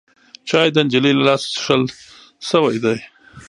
چای د نجلۍ له لاسه څښل شوی دی.